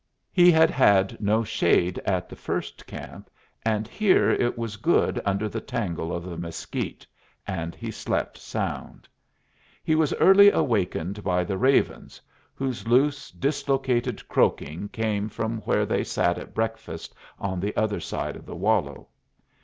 He had had no shade at the first camp, and here it was good under the tangle of the mesquite, and he slept sound. He was early awakened by the ravens, whose loose, dislocated croaking came from where they sat at breakfast on the other side of the wallow.